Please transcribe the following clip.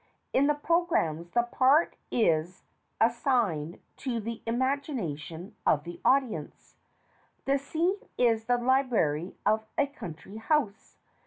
In the programmes the part is as signed to the imagination of the audience. The scene is the Library of a Country House.